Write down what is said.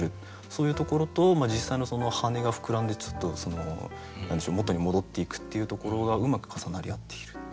そういうところと実際のその羽根がふくらんで元に戻っていくっていうところがうまく重なり合っている。